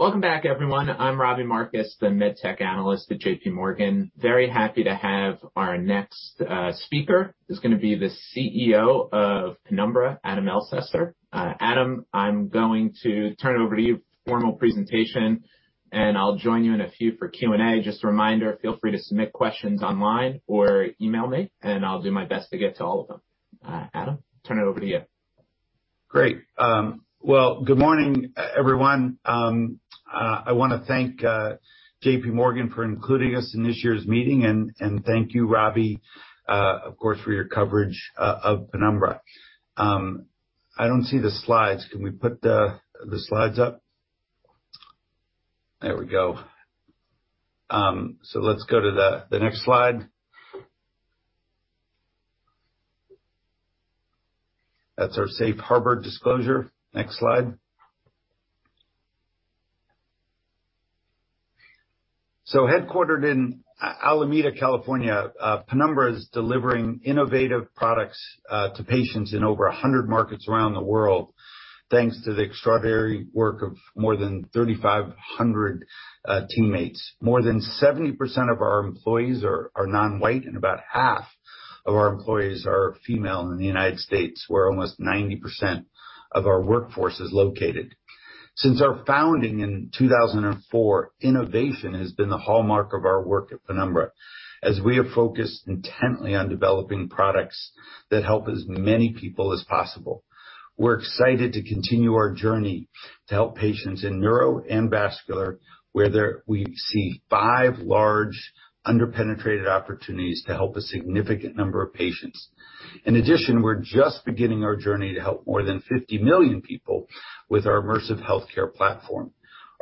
Welcome back, everyone. I'm Robbie Marcus, the Med Tech analyst at J.P. Morgan. Very happy to have our next speaker. He's gonna be the CEO of Penumbra, Adam Elsesser. Adam, I'm going to turn it over to you for a formal presentation, and I'll join you in a few for Q&A. Just a reminder, feel free to submit questions online or email me, and I'll do my best to get to all of them. Adam, turn it over to you. Great. Well, good morning everyone. I wanna thank J.P. Morgan for including us in this year's meeting, and thank you, Robbie, of course, for your coverage of Penumbra. I don't see the slides. Can we put the slides up? There we go. Let's go to the next slide. That's our safe harbor disclosure. Next slide. Headquartered in Alameda, California, Penumbra is delivering innovative products to patients in over 100 markets around the world, thanks to the extraordinary work of more than 3,500 teammates. More than 70% of our employees are non-white, and about half of our employees are female in the United States, where almost 90% of our workforce is located. Since our founding in 2004, innovation has been the hallmark of our work at Penumbra, as we have focused intently on developing products that help as many people as possible. We're excited to continue our journey to help patients in neuro and vascular, where we see five large under-penetrated opportunities to help a significant number of patients. In addition, we're just beginning our journey to help more than 50 million people with our immersive healthcare platform.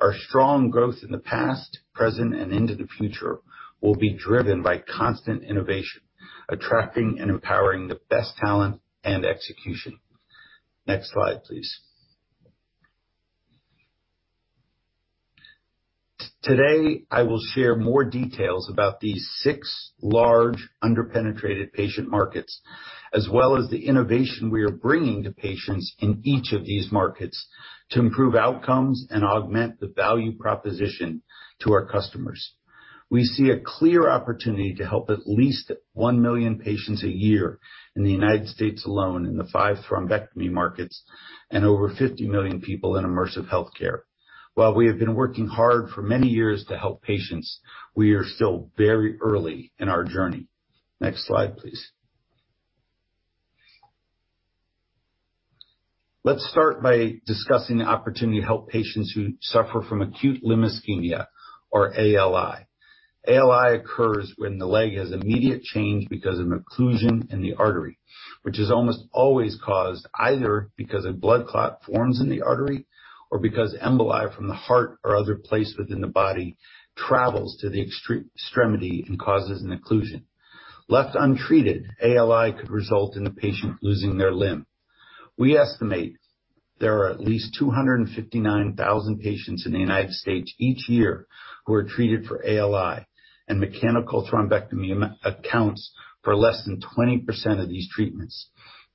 Our strong growth in the past, present, and into the future will be driven by constant innovation, attracting and empowering the best talent and execution. Next slide, please. Today, I will share more details about these six large under-penetrated patient markets, as well as the innovation we are bringing to patients in each of these markets to improve outcomes and augment the value proposition to our customers. We see a clear opportunity to help at least 1 million patients a year in the United States alone in the five thrombectomy markets and over 50 million people in immersive healthcare. While we have been working hard for many years to help patients, we are still very early in our journey. Next slide, please. Let's start by discussing the opportunity to help patients who suffer from acute limb ischemia or ALI. ALI occurs when the leg has immediate change because of an occlusion in the artery, which is almost always caused either because a blood clot forms in the artery or because emboli from the heart or other place within the body travels to the extremity and causes an occlusion. Left untreated, ALI could result in the patient losing their limb. We estimate there are at least 259,000 patients in the United States each year who are treated for ALI, and mechanical thrombectomy accounts for less than 20% of these treatments.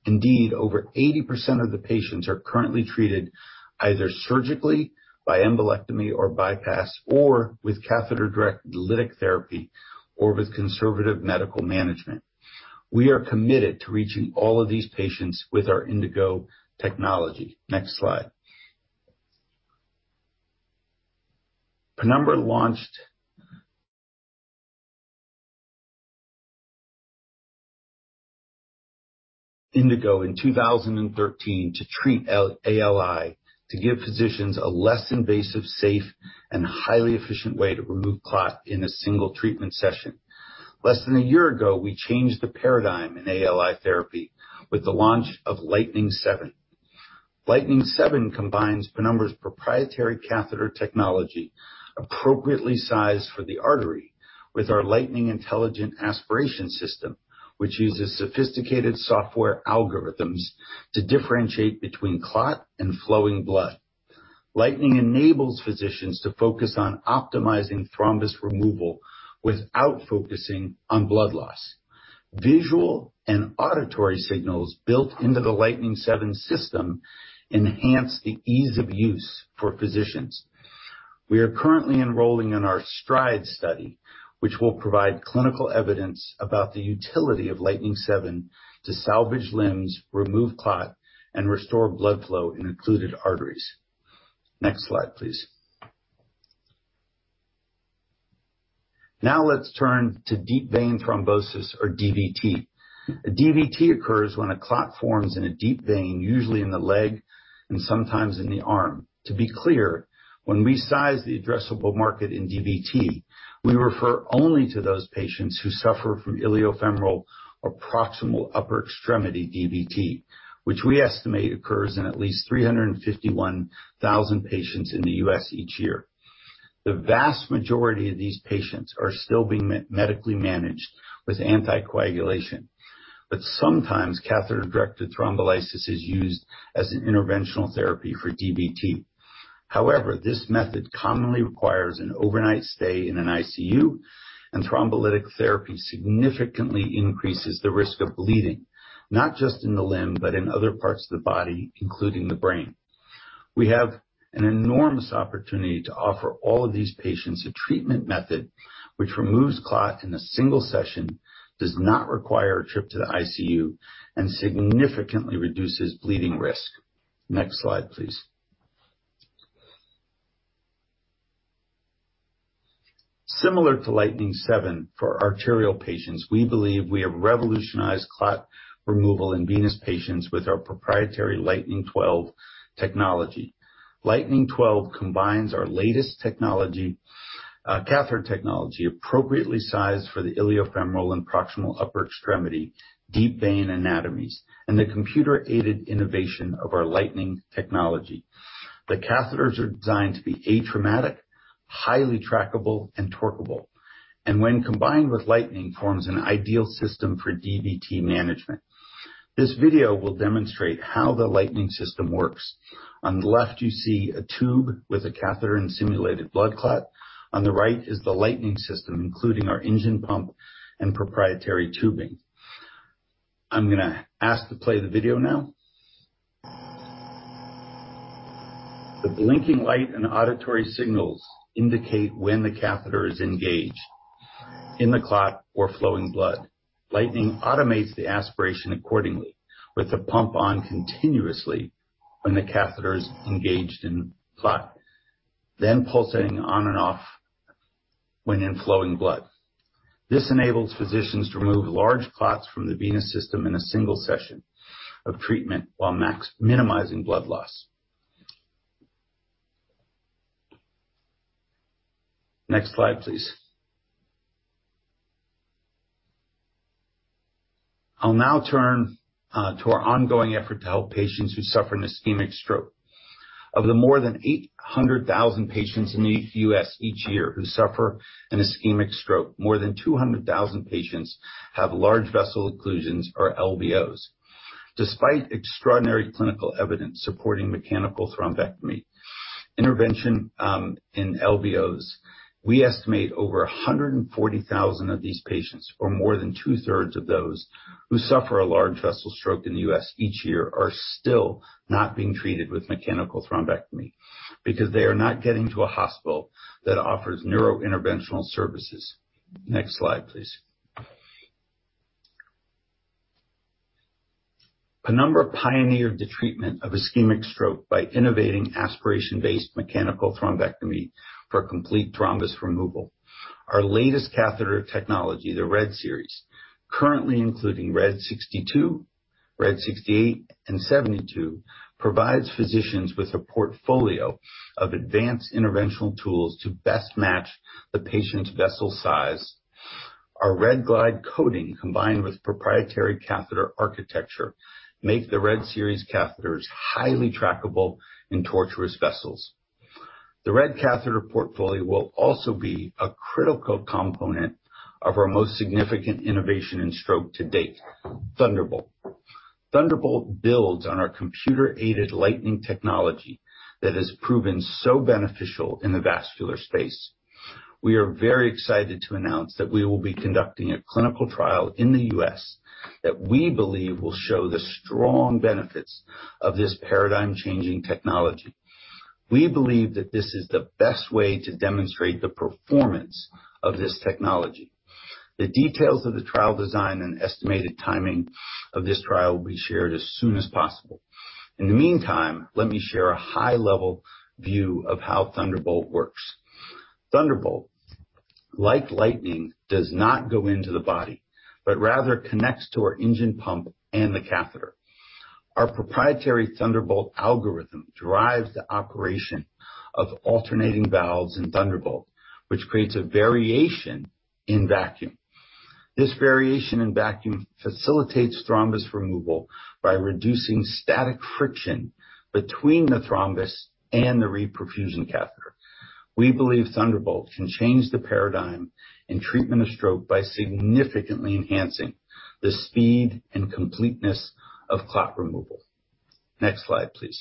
Indeed, over 80% of the patients are currently treated either surgically by embolectomy or bypass, or with catheter-directed lytic therapy, or with conservative medical management. We are committed to reaching all of these patients with our Indigo technology. Next slide. Penumbra launched Indigo in 2013 to treat ALI to give physicians a less invasive, safe, and highly efficient way to remove clot in a single treatment session. Less than a year ago, we changed the paradigm in ALI therapy with the launch of Lightning 7. Lightning 7 combines Penumbra's proprietary catheter technology, appropriately sized for the artery, with our Lightning Intelligent Aspiration System, which uses sophisticated software algorithms to differentiate between clot and flowing blood. Lightning enables physicians to focus on optimizing thrombus removal without focusing on blood loss. Visual and auditory signals built into the Lightning 7 System enhance the ease of use for physicians. We are currently enrolling in our STRIDE study, which will provide clinical evidence about the utility of Lightning 7 to salvage limbs, remove clot, and restore blood flow in occluded arteries. Next slide, please. Now, let's turn to deep vein thrombosis or DVT. A DVT occurs when a clot forms in a deep vein, usually in the leg and sometimes in the arm. To be clear, when we size the addressable market in DVT, we refer only to those patients who suffer from iliofemoral or proximal upper extremity DVT, which we estimate occurs in at least 351,000 patients in the U.S. each year. The vast majority of these patients are still being medically managed with anticoagulation, but sometimes catheter-directed thrombolysis is used as an interventional therapy for DVT. However, this method commonly requires an overnight stay in an ICU, and thrombolytic therapy significantly increases the risk of bleeding, not just in the limb, but in other parts of the body, including the brain. We have an enormous opportunity to offer all of these patients a treatment method which removes clot in a single session, does not require a trip to the ICU, and significantly reduces bleeding risk. Next slide, please. Similar to Lightning 7 for arterial patients, we believe we have revolutionized clot removal in venous patients with our proprietary Lightning 12 technology. Lightning 12 combines our latest technology, catheter technology, appropriately sized for the iliofemoral and proximal upper extremity deep vein anatomies, and the computer-aided innovation of our Lightning technology. The catheters are designed to be atraumatic, highly trackable, and torqueable, and when combined with Lightning forms an ideal system for DVT management. This video will demonstrate how the Lightning system works. On the left, you see a tube with a catheter and simulated blood clot. On the right is the Lightning system, including our engine pump and proprietary tubing. I'm gonna ask to play the video now. The blinking light and auditory signals indicate when the catheter is engaged in the clot or flowing blood. Lightning automates the aspiration accordingly, with the pump on continuously when the catheter is engaged in clot, then pulsating on and off when in flowing blood. This enables physicians to remove large clots from the venous system in a single session of treatment while minimizing blood loss. Next slide, please. I'll now turn to our ongoing effort to help patients who suffer an ischemic stroke. Of the more than 800,000 patients in the U.S. each year who suffer an ischemic stroke, more than 200,000 patients have large vessel occlusions or LVOs. Despite extraordinary clinical evidence supporting mechanical thrombectomy intervention in LVOs, we estimate over 140,000 of these patients, or more than two-thirds of those who suffer a large vessel stroke in the U.S. each year, are still not being treated with mechanical thrombectomy because they are not getting to a hospital that offers neurointerventional services. Next slide, please. Penumbra pioneered the treatment of ischemic stroke by innovating aspiration-based mechanical thrombectomy for complete thrombus removal. Our latest catheter technology, the RED series, currently including RED 62, RED 68, and RED 72, provides physicians with a portfolio of advanced interventional tools to best match the patient's vessel size. Our REDglide coating, combined with proprietary catheter architecture, make the RED series catheters highly trackable in tortuous vessels. The RED catheter portfolio will also be a critical component of our most significant innovation in stroke to date, Thunderbolt. Thunderbolt builds on our computer-aided Lightning technology that has proven so beneficial in the vascular space. We are very excited to announce that we will be conducting a clinical trial in the U.S. that we believe will show the strong benefits of this paradigm-changing technology. We believe that this is the best way to demonstrate the performance of this technology. The details of the trial design and estimated timing of this trial will be shared as soon as possible. In the meantime, let me share a high-level view of how Thunderbolt works. Thunderbolt, like Lightning, does not go into the body, but rather connects to our engine pump and the catheter. Our proprietary Thunderbolt algorithm drives the operation of alternating valves in Thunderbolt, which creates a variation in vacuum. This variation in vacuum facilitates thrombus removal by reducing static friction between the thrombus and the reperfusion catheter. We believe Thunderbolt can change the paradigm in treatment of stroke by significantly enhancing the speed and completeness of clot removal. Next slide, please.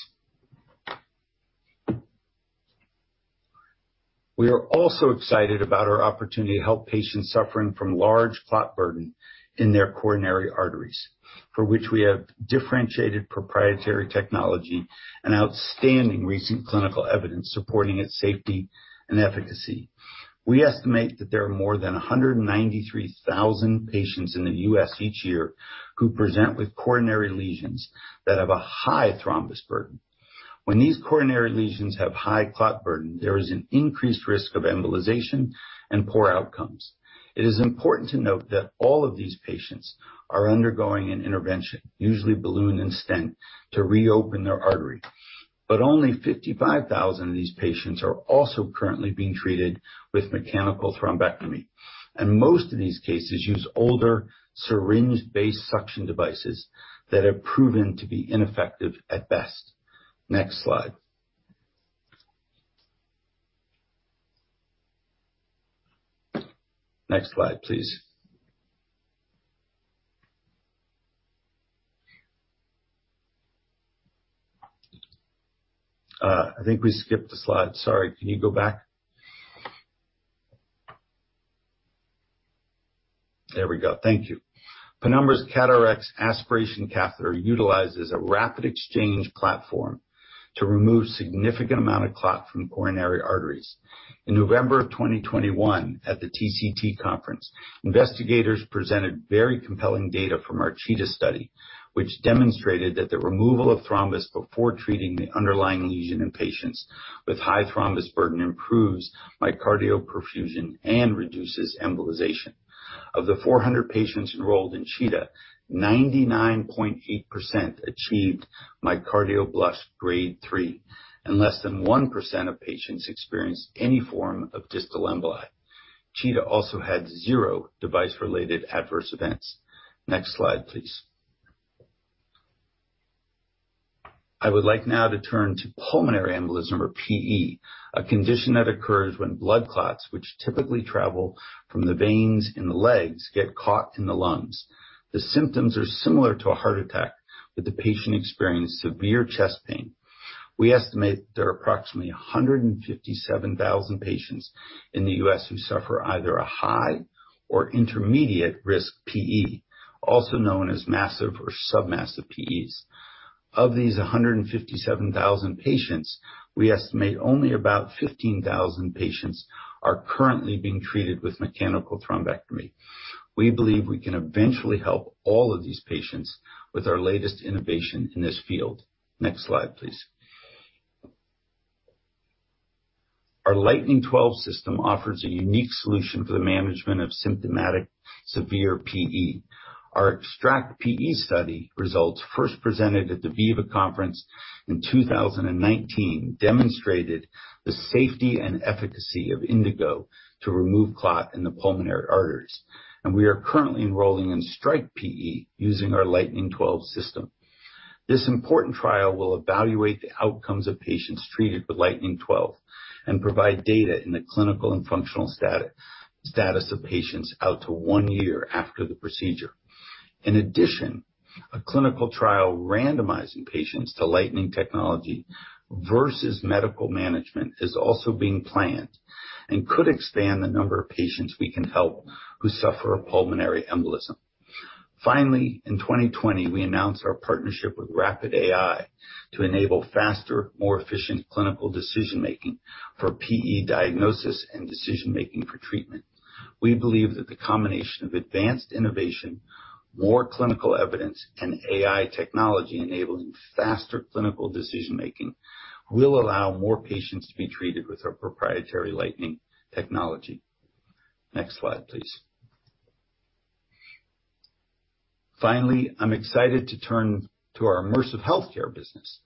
We are also excited about our opportunity to help patients suffering from large clot burden in their coronary arteries, for which we have differentiated proprietary technology and outstanding recent clinical evidence supporting its safety and efficacy. We estimate that there are more than 193,000 patients in the U.S. each year who present with coronary lesions that have a high thrombus burden. When these coronary lesions have high clot burden, there is an increased risk of embolization and poor outcomes. It is important to note that all of these patients are undergoing an intervention, usually balloon and stent, to reopen their artery. Only 55,000 of these patients are also currently being treated with mechanical thrombectomy, and most of these cases use older syringe-based suction devices that have proven to be ineffective at best. Next slide. Next slide, please. I think we skipped a slide. Sorry, can you go back? There we go. Thank you. Penumbra's CAT RX aspiration catheter utilizes a rapid exchange platform to remove significant amount of clot from coronary arteries. In November 2021 at the TCT conference, investigators presented very compelling data from our CHEETAH study, which demonstrated that the removal of thrombus before treating the underlying lesion in patients with high thrombus burden improves myocardial perfusion and reduces embolization. Of the 400 patients enrolled in CHEETAH, 99.8% achieved myocardial blush grade three, and less than 1% of patients experienced any form of distal emboli. CHEETAH also had zero device-related adverse events. Next slide, please. I would like now to turn to pulmonary embolism, or PE, a condition that occurs when blood clots, which typically travel from the veins in the legs, get caught in the lungs. The symptoms are similar to a heart attack, but the patients experience severe chest pain. We estimate there are approximately 157,000 patients in the U.S. who suffer either a high or intermediate risk PE, also known as massive or submassive PEs. Of these 157,000 patients, we estimate only about 15,000 patients are currently being treated with mechanical thrombectomy. We believe we can eventually help all of these patients with our latest innovation in this field. Next slide, please. Our Lightning 12 system offers a unique solution for the management of symptomatic severe PE. Our EXTRACT-PE study results first presented at the VIVA Conference in 2019 demonstrated the safety and efficacy of Indigo to remove clot in the pulmonary arteries. We are currently enrolling in STRIKE-PE using our Lightning 12 system. This important trial will evaluate the outcomes of patients treated with Lightning 12 and provide data in the clinical and functional status of patients out to one year after the procedure. In addition, a clinical trial randomizing patients to Lightning technology versus medical management is also being planned and could expand the number of patients we can help who suffer a pulmonary embolism. Finally, in 2020, we announced our partnership with RapidAI to enable faster, more efficient clinical decision-making for PE diagnosis and decision-making for treatment. We believe that the combination of advanced innovation, more clinical evidence, and AI technology enabling faster clinical decision-making will allow more patients to be treated with our proprietary Lightning technology. Next slide, please. Finally, I'm excited to turn to our immersive healthcare business.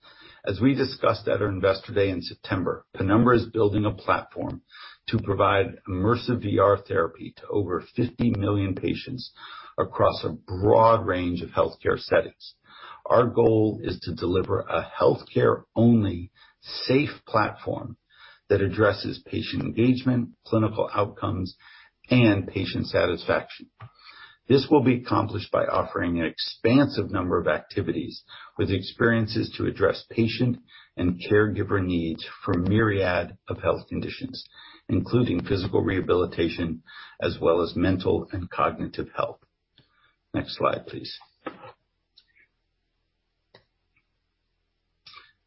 As we discussed at our Investor Day in September, Penumbra is building a platform to provide immersive VR therapy to over 50 million patients across a broad range of healthcare settings. Our goal is to deliver a healthcare-only safe platform that addresses patient engagement, clinical outcomes, and patient satisfaction. This will be accomplished by offering an expansive number of activities with experiences to address patient and caregiver needs for a myriad of health conditions, including physical rehabilitation as well as mental and cognitive health. Next slide, please.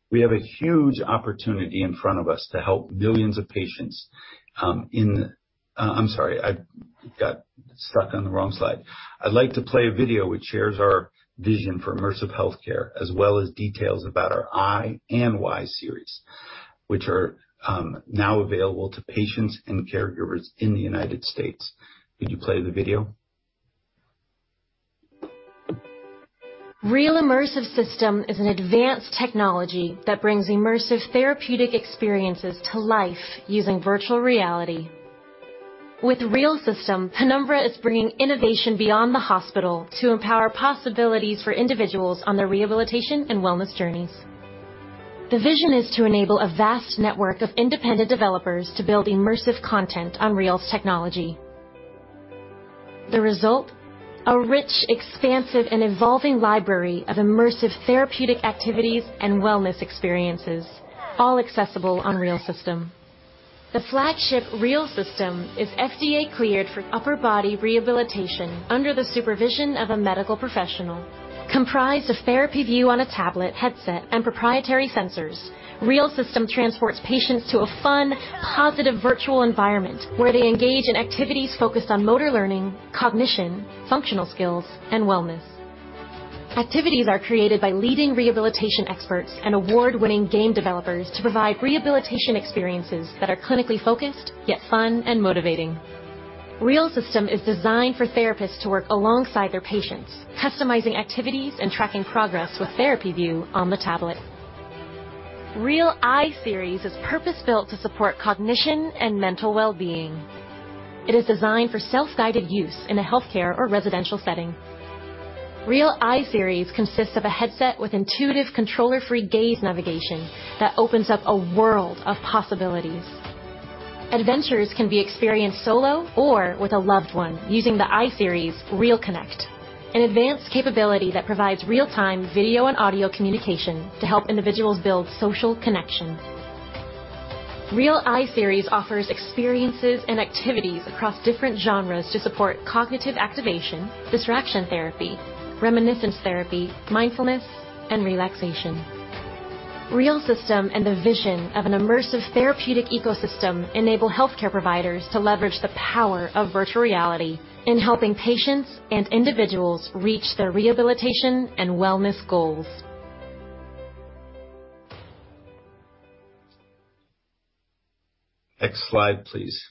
We have a huge opportunity in front of us to help millions of patients. I'm sorry. I got stuck on the wrong slide. I'd like to play a video which shares our vision for immersive healthcare, as well as details about our i-Series and y-Series, which are now available to patients and caregivers in the United States. Could you play the video? REAL Immersive System is an advanced technology that brings immersive therapeutic experiences to life using virtual reality. With REAL System, Penumbra is bringing innovation beyond the hospital to empower possibilities for individuals on their rehabilitation and wellness journeys. The vision is to enable a vast network of independent developers to build immersive content on REAL's technology. The result, a rich, expansive, and evolving library of immersive therapeutic activities and wellness experiences, all accessible on REAL System. The flagship REAL System is FDA-cleared for upper body rehabilitation under the supervision of a medical professional. Comprised of TherapyView on a tablet, headset, and proprietary sensors, REAL System transports patients to a fun, positive virtual environment where they engage in activities focused on motor learning, cognition, functional skills, and wellness. Activities are created by leading rehabilitation experts and award-winning game developers to provide rehabilitation experiences that are clinically focused, yet fun and motivating. REAL System is designed for therapists to work alongside their patients, customizing activities and tracking progress with TherapyView on the tablet. REAL i-Series is purpose-built to support cognition and mental well-being. It is designed for self-guided use in a healthcare or residential setting. REAL i-Series consists of a headset with intuitive controller-free gaze navigation that opens up a world of possibilities. Adventures can be experienced solo or with a loved one using the i-Series REAL Connect, an advanced capability that provides real-time video and audio communication to help individuals build social connections. REAL i-Series offers experiences and activities across different genres to support cognitive activation, distraction therapy, reminiscence therapy, mindfulness, and relaxation. REAL System and the vision of an immersive therapeutic ecosystem enable healthcare providers to leverage the power of virtual reality in helping patients and individuals reach their rehabilitation and wellness goals. Next slide, please.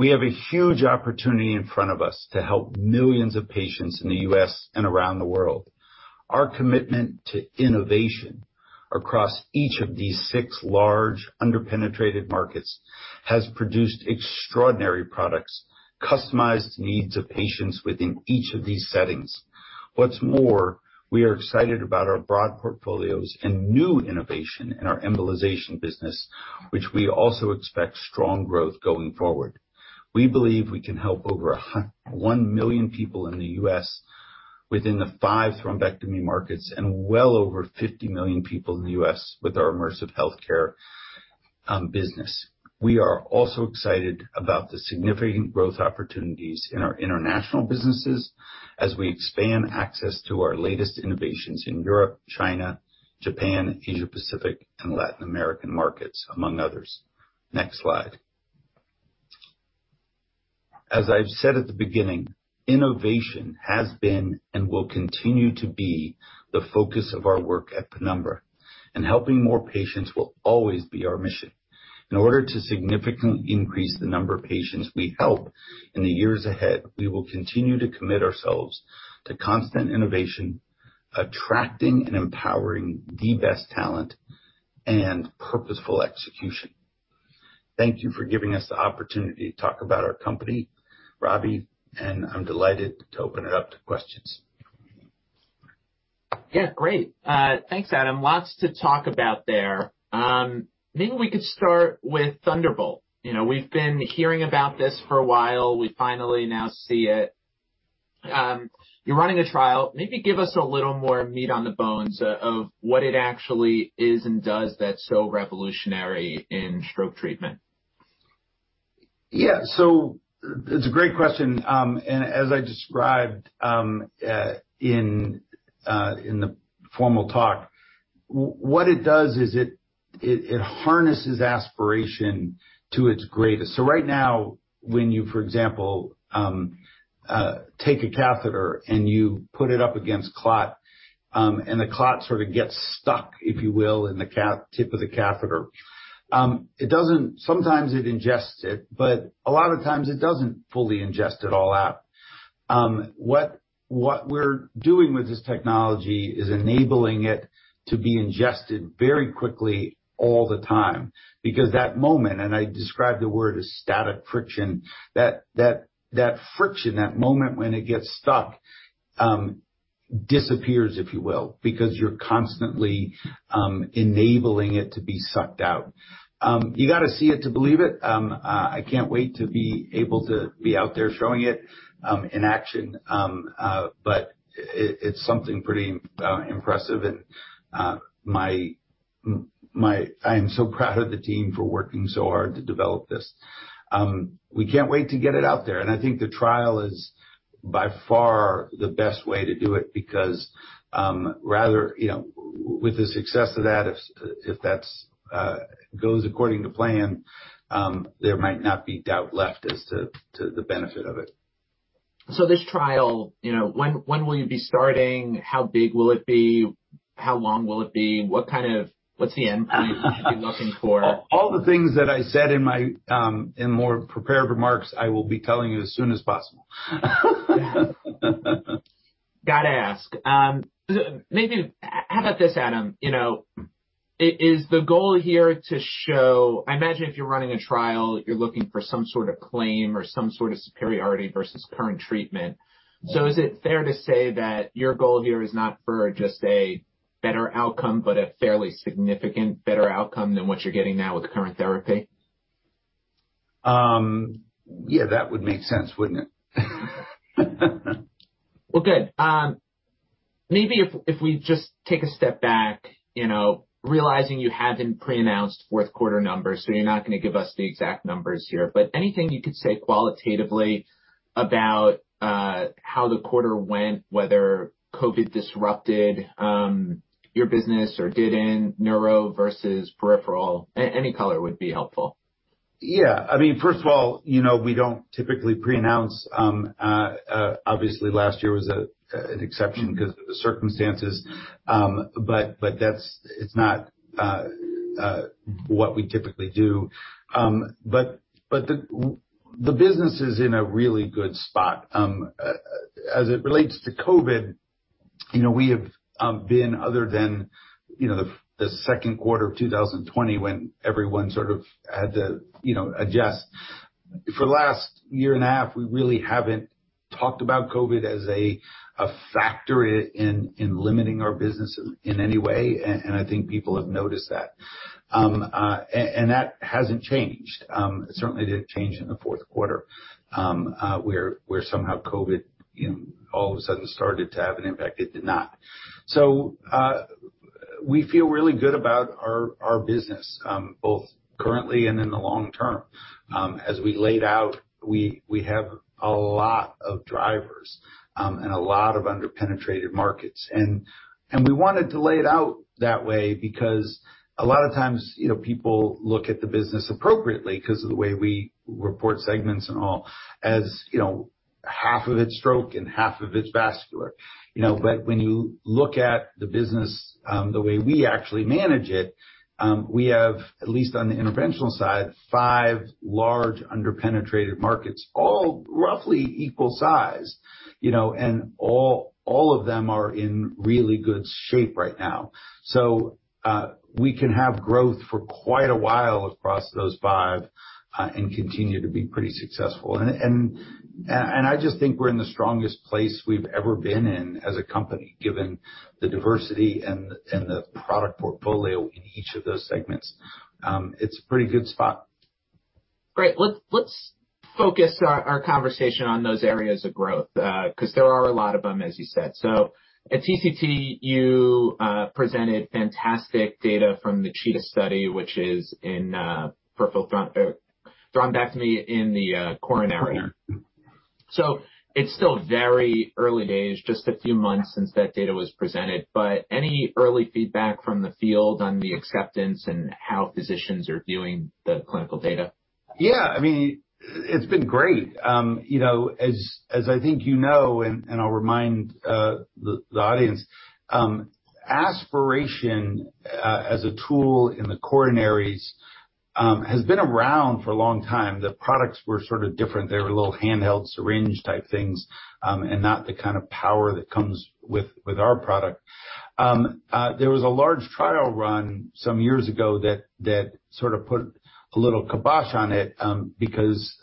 We have a huge opportunity in front of us to help millions of patients in the U.S. and around the world. Our commitment to innovation across each of these six large under-penetrated markets has produced extraordinary products customized to the needs of patients within each of these settings. What's more, we are excited about our broad portfolios and new innovation in our embolization business, which we also expect strong growth going forward. We believe we can help over 1 million people in the U.S. within the five thrombectomy markets and well over 50 million people in the U.S. with our immersive healthcare business. We are also excited about the significant growth opportunities in our international businesses as we expand access to our latest innovations in Europe, China, Japan, Asia-Pacific, and Latin American markets, among others. Next slide. As I've said at the beginning, innovation has been and will continue to be the focus of our work at Penumbra, and helping more patients will always be our mission. In order to significantly increase the number of patients we help in the years ahead, we will continue to commit ourselves to constant innovation, attracting and empowering the best talent, and purposeful execution. Thank you for giving us the opportunity to talk about our company, Robbie, and I'm delighted to open it up to questions. Yeah. Great. Thanks, Adam. Lots to talk about there. Maybe we could start with Thunderbolt. You know, we've been hearing about this for a while. We finally now see it. You're running a trial. Maybe give us a little more meat on the bones of what it actually is, and is it so revolutionary in stroke treatment? It's a great question. As I described in the formal talk, what it does is it harnesses aspiration to its greatest. Right now, when you, for example, take a catheter and you put it up against clot, and the clot sort of gets stuck, if you will, in the tip of the catheter. Sometimes it ingests it, but a lot of times it doesn't fully ingest it all out. What we're doing with this technology is enabling it to be ingested very quickly all the time because that moment, and I described the word as static friction, that friction, that moment when it gets stuck, disappears, if you will, because you're constantly enabling it to be sucked out. You gotta see it to believe it. I can't wait to be able to be out there showing it in action. It's something pretty impressive, and I am so proud of the team for working so hard to develop this. We can't wait to get it out there. I think the trial is by far the best way to do it because rather you know with the success of that, if that goes according to plan, there might not be doubt left as to the benefit of it. This trial, you know, when will you be starting? How big will it be? How long will it be? What's the endpoint you're looking for? All the things that I said in more prepared remarks, I will be telling you as soon as possible. Gotta ask. Maybe how about this, Adam? You know, is the goal here to show? I imagine if you're running a trial, you're looking for some sort of claim or some sort of superiority versus current treatment. Yeah. Is it fair to say that your goal here is not for just a better outcome, but a fairly significant better outcome than what you're getting now with current therapy? Yeah, that would make sense, wouldn't it? Well, good. Maybe if we just take a step back, you know, realizing you haven't pre-announced fourth quarter numbers, so you're not gonna give us the exact numbers here. Anything you could say qualitatively about how the quarter went, whether COVID disrupted your business or didn't, neuro versus peripheral? Any color would be helpful. Yeah. I mean, first of all, you know, we don't typically pre-announce. Obviously last year was an exception 'cause of the circumstances. That's not what we typically do. The business is in a really good spot. As it relates to COVID, you know, we have been other than the second quarter of 2020 when everyone sort of had to adjust. For the last year and a half, we really haven't talked about COVID as a factor in limiting our business in any way, and I think people have noticed that. That hasn't changed. It certainly didn't change in the fourth quarter, where somehow COVID, you know, all of a sudden started to have an impact. It did not. We feel really good about our business, both currently and in the long term. As we laid out, we have a lot of drivers, and a lot of under-penetrated markets. We wanted to lay it out that way because a lot of times, you know, people look at the business appropriately 'cause of the way we report segments and all, as, you know, half of it's stroke and half of it's vascular. Okay. You know, when you look at the business, the way we actually manage it, we have, at least on the interventional side, five large under-penetrated markets, all roughly equal size. You know, all of them are in really good shape right now. We can have growth for quite a while across those five, and continue to be pretty successful. I just think we're in the strongest place we've ever been in as a company, given the diversity and the product portfolio in each of those segments. It's a pretty good spot. Great. Let's focus our conversation on those areas of growth, 'cause there are a lot of them, as you said. At TCT, you presented fantastic data from the CHEETAH study, which is in coronary thrombectomy. Right. It's still very early days, just a few months since that data was presented, but any early feedback from the field on the acceptance and how physicians are viewing the clinical data? Yeah. I mean, it's been great. You know, as I think you know, and I'll remind the audience, aspiration as a tool in the coronaries has been around for a long time. The products were sort of different. They were little handheld syringe-type things and not the kind of power that comes with our product. There was a large trial run some years ago that sort of put a little kibosh on it because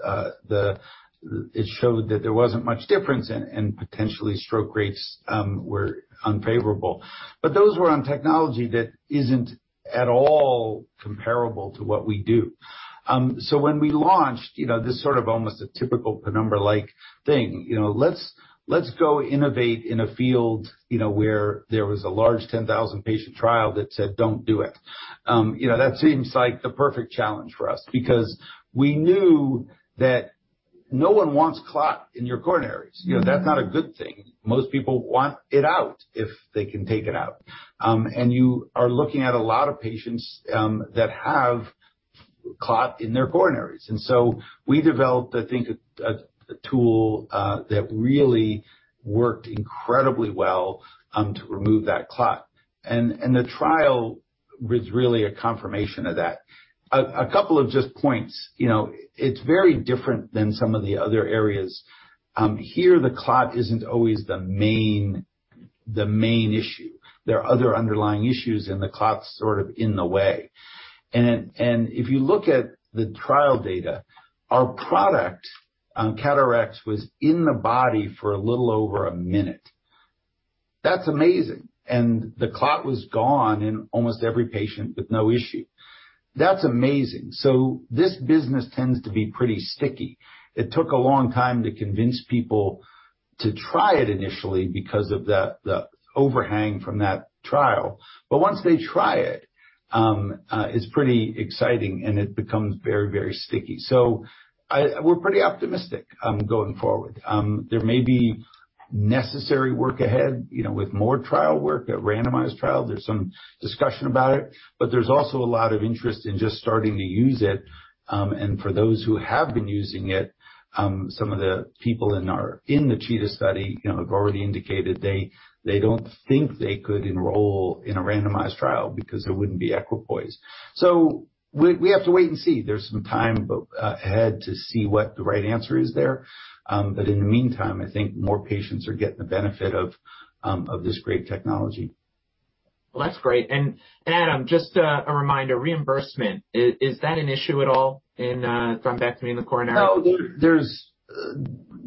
it showed that there wasn't much difference and potentially stroke rates were unfavorable. Those were on technology that isn't at all comparable to what we do. When we launched, you know, this sort of almost a typical Penumbra-like thing. You know, let's go innovate in a field, you know, where there was a large 10,000 patient trial that said, "Don't do it." You know, that seems like the perfect challenge for us because we knew that no one wants clot in your coronaries. Mm-hmm. You know, that's not a good thing. Most people want it out, if they can take it out. You are looking at a lot of patients that have clot in their coronaries. We developed, I think, a tool that really worked incredibly well to remove that clot. The trial was really a confirmation of that. A couple of just points. You know, it's very different than some of the other areas. Here, the clot isn't always the main issue. There are other underlying issues and the clot's sort of in the way. If you look at the trial data, our product CAT RX was in the body for a little over a minute. That's amazing. The clot was gone in almost every patient with no issue. That's amazing. This business tends to be pretty sticky. It took a long time to convince people to try it initially because of the overhang from that trial. Once they try it's pretty exciting and it becomes very sticky. We're pretty optimistic going forward. There may be necessary work ahead, you know, with more trial work, a randomized trial. There's some discussion about it. There's also a lot of interest in just starting to use it. For those who have been using it, some of the people in the CHEETAH study, you know, have already indicated they don't think they could enroll in a randomized trial because it wouldn't be equipoise. We have to wait and see. There's some time ahead to see what the right answer is there. In the meantime, I think more patients are getting the benefit of this great technology. Well, that's great. Adam, just a reminder. Reimbursement, is that an issue at all in thrombectomy in the coronary? No. There's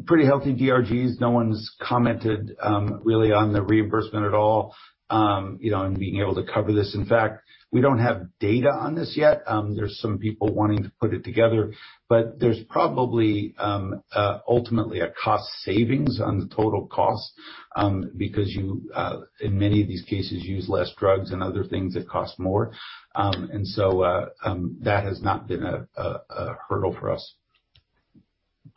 pretty healthy DRGs. No one's commented really on the reimbursement at all, you know, on being able to cover this. In fact, we don't have data on this yet. There's some people wanting to put it together. There's probably ultimately a cost savings on the total cost, because you in many of these cases use less drugs and other things that cost more. That has not been a hurdle for us.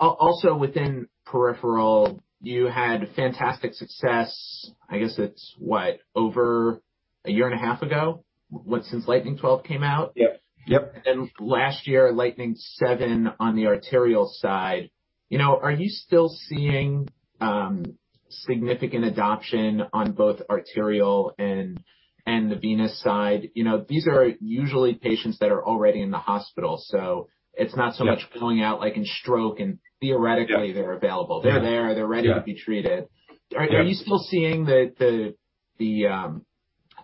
Also within peripheral, you had fantastic success, I guess it's what? Over a year and a half ago? What, since Lightning 12 came out? Yep. Yep. Last year, Lightning 7 on the arterial side. You know, are you still seeing significant adoption on both arterial and the venous side? You know, these are usually patients that are already in the hospital, so it's not so much- Yeah. going out like in stroke and theoretically Yeah. They're available. Yeah. They're there. Yeah. They're ready to be treated. Yeah. Are you still seeing the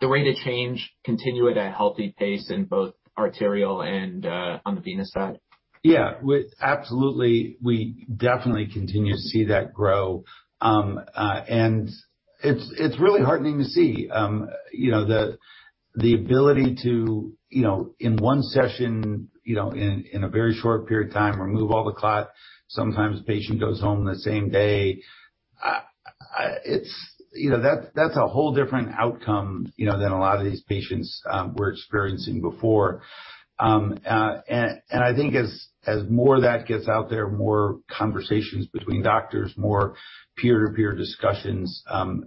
rate of change continue at a healthy pace in both arterial and on the venous side? Yeah. Absolutely, we definitely continue to see that grow. It's really heartening to see, you know, the ability to, you know, in one session, you know, in a very short period of time, remove all the clot. Sometimes the patient goes home the same day. It's, you know, that's a whole different outcome, you know, than a lot of these patients were experiencing before. I think as more of that gets out there, more conversations between doctors, more peer-to-peer discussions,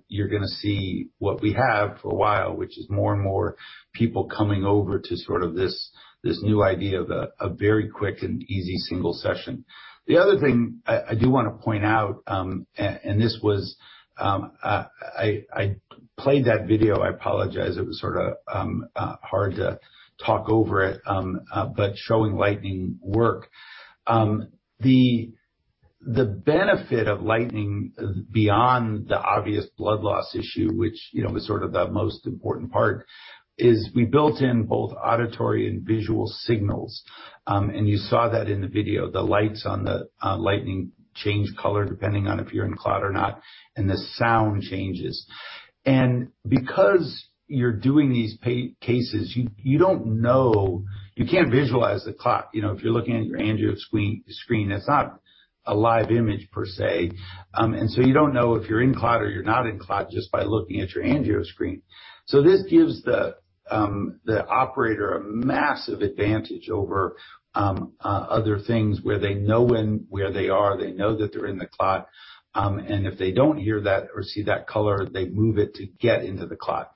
you're gonna see what we have for a while, which is more and more people coming over to sort of this new idea of a very quick and easy single session. The other thing I do wanna point out, I played that video, I apologize, it was sorta hard to talk over it but showing Lightning work. The benefit of Lightning beyond the obvious blood loss issue, which you know is sort of the most important part, is we built in both auditory and visual signals. You saw that in the video. The lights on the Lightning change color depending on if you're in clot or not, and the sound changes. Because you're doing these cases, you don't know. You can't visualize the clot. You know, if you're looking at your angio screen, it's not a live image per se. You don't know if you're in clot or you're not in clot just by looking at your angio screen. This gives the operator a massive advantage over other things where they know where they are, they know that they're in the clot, and if they don't hear that or see that color, they move it to get into the clot.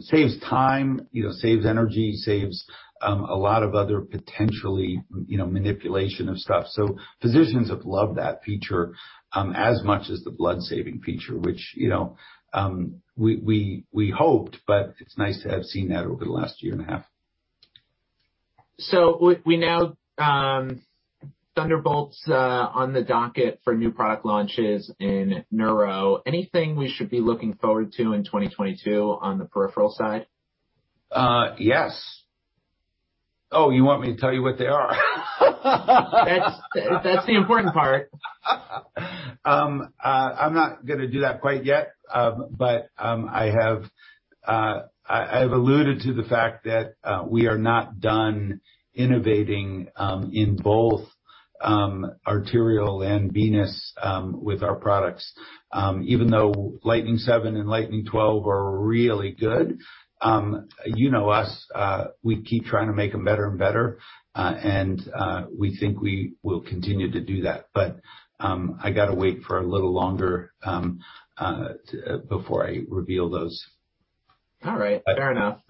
Saves time, you know, saves energy, saves a lot of other potentially, you know, manipulation of stuff. Physicians have loved that feature as much as the blood-saving feature, which, you know, we hoped, but it's nice to have seen that over the last year and a half. We now Thunderbolt's on the docket for new product launches in neuro. Anything we should be looking forward to in 2022 on the peripheral side? Yes. You want me to tell you what they are? That's the important part. I'm not gonna do that quite yet. I've alluded to the fact that we are not done innovating in both arterial and venous with our products. Even though Lightning 7 and Lightning 12 are really good, you know us, we keep trying to make them better and better, and we think we will continue to do that. I gotta wait for a little longer before I reveal those. All right. Fair enough.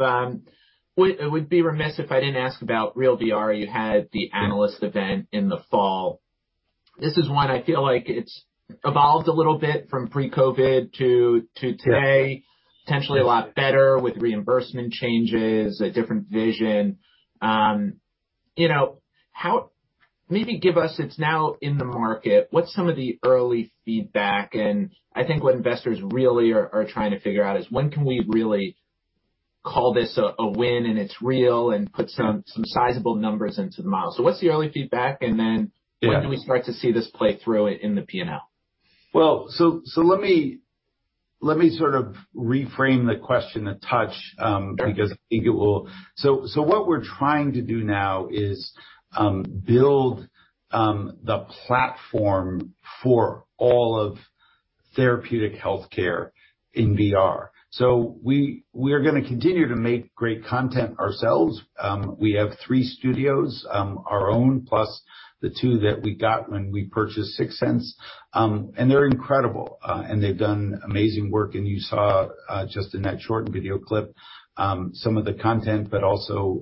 Would be remiss if I didn't ask about REAL VR. You had the analyst event in the fall. This is one I feel like it's evolved a little bit from pre-COVID to today. Yeah. Potentially a lot better with reimbursement changes, a different vision. You know, maybe give us, it's now in the market, what's some of the early feedback? I think what investors really are trying to figure out is when can we really call this a win and it's real and put some sizable numbers into the model. What's the early feedback, and then- Yeah. When can we start to see this play through in the P&L? Well, let me sort of reframe the question a touch. Okay. What we're trying to do now is build the platform for all of therapeutic healthcare in VR. We are gonna continue to make great content ourselves. We have three studios, our own, plus the two that we got when we purchased Sixense. They're incredible, and they've done amazing work. You saw just in that short video clip some of the content, but also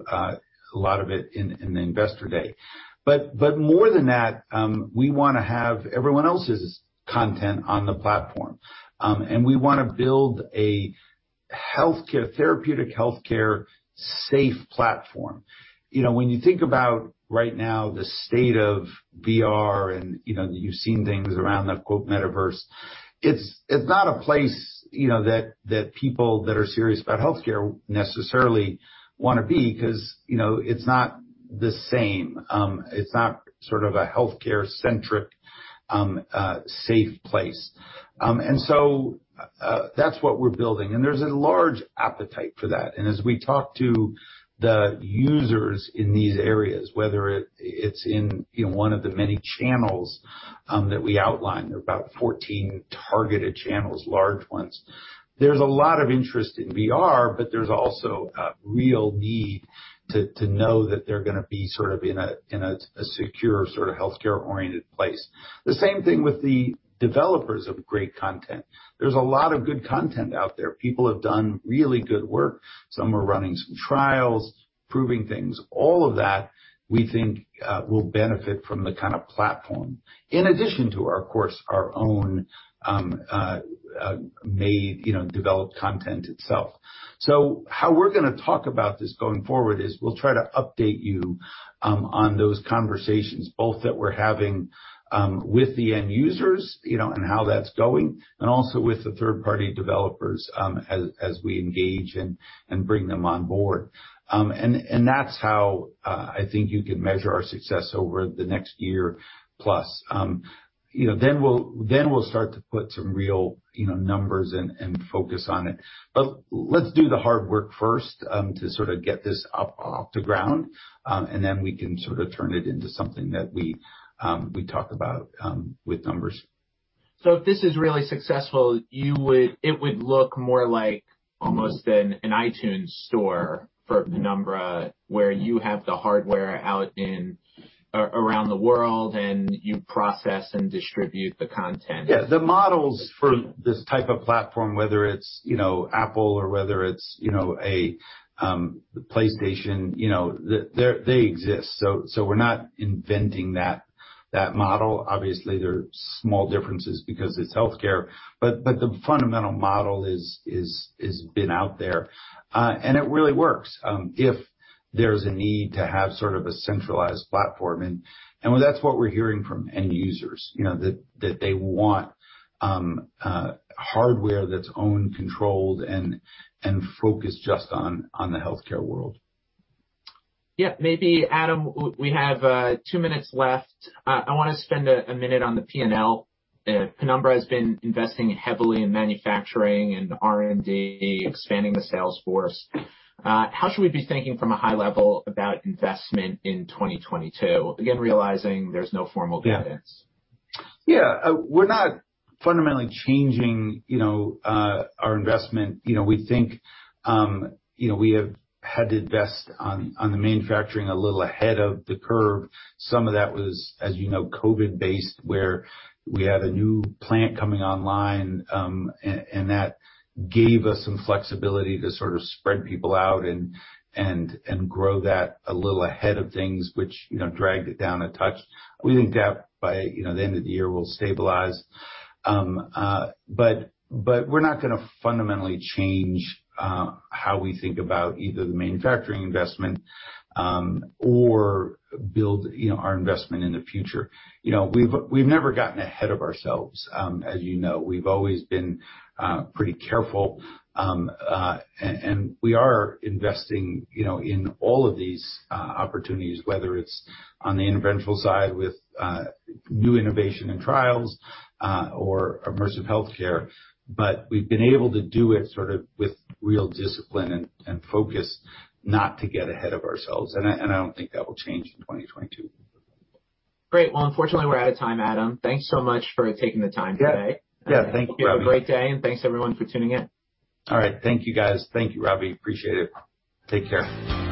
a lot of it in the Investor Day. More than that, we wanna have everyone else's content on the platform. We wanna build a healthcare therapeutic healthcare safe platform. You know, when you think about right now the state of VR and, you know, you've seen things around the quote "metaverse," it's not a place, you know, that people that are serious about healthcare necessarily wanna be, 'cause, you know, it's not the same. It's not sort of a healthcare-centric, safe place. That's what we're building. There's a large appetite for that. As we talk to the users in these areas, whether it's in, you know, one of the many channels that we outlined, there are about 14 targeted channels, large ones, there's a lot of interest in VR, but there's also a real need to know that they're gonna be sort of in a secure sort of healthcare-oriented place. The same thing with the developers of great content. There's a lot of good content out there. People have done really good work. Some are running some trials, proving things. All of that, we think, will benefit from the kind of platform. In addition to our, of course, our own made, you know, developed content itself. How we're gonna talk about this going forward is we'll try to update you on those conversations, both that we're having with the end users, you know, and how that's going, and also with the third-party developers, as we engage and bring them on board. That's how I think you can measure our success over the next year plus. You know, we'll start to put some real, you know, numbers and focus on it. Let's do the hard work first, to sort of get this up off the ground, and then we can sort of turn it into something that we talk about with numbers. If this is really successful, it would look more like almost an iTunes store for Penumbra, where you have the hardware out around the world, and you process and distribute the content. Yeah. The models for this type of platform, whether it's, you know, Apple or whether it's, you know, a PlayStation, you know, they exist. So we're not inventing that model. Obviously, there are small differences because it's healthcare, but the fundamental model has been out there. It really works if there's a need to have sort of a centralized platform. That's what we're hearing from end users, you know, that they want hardware that's owned, controlled, and focused just on the healthcare world. Yeah. Maybe Adam, we have 2 minutes left. I wanna spend a minute on the P&L. Penumbra has been investing heavily in manufacturing and R&D, expanding the sales force. How should we be thinking from a high level about investment in 2022? Again, realizing there's no formal guidance. Yeah. Yeah. We're not fundamentally changing, you know, our investment. You know, we think, you know, we have had to invest on the manufacturing a little ahead of the curve. Some of that was, as you know, COVID based, where we had a new plant coming online, and that gave us the flexibility to sort of spread people out and grow that a little ahead of things which, you know, dragged it down a touch. We think that by, you know, the end of the year we'll stabilize. But we're not gonna fundamentally change how we think about either the manufacturing investment or build, you know, our investment in the future. You know, we've never gotten ahead of ourselves. As you know, we've always been pretty careful. We are investing, you know, in all of these opportunities, whether it's on the interventional side with new innovation and trials or immersive healthcare. We've been able to do it sort of with real discipline and focus not to get ahead of ourselves. I don't think that will change in 2022. Great. Well, unfortunately, we're out of time, Adam. Thanks so much for taking the time today. Yeah. Yeah. Thank you, Robbie. Have a great day, and thanks everyone for tuning in. All right. Thank you, guys. Thank you, Robbie. Appreciate it. Take care.